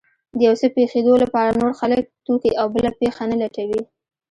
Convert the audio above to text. د يو څه پېښېدو لپاره نور خلک، توکي او بله پېښه نه لټوي.